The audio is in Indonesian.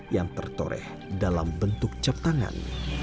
yang tertoreh dalam bentuk cap tangan